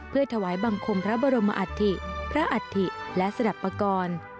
เพื่อถวายบังคมพระบรมอัฐิพระอัฐิและสนับปกรณ์